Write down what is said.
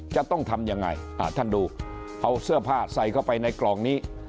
จะต้องทำยังไงท่านดูเอาเสื้อผ้าใส่เข้าไปในกล่องนี้